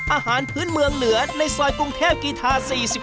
อาหารพื้นเมืองเหนือในซอยกรุงเทพกีธา๔๑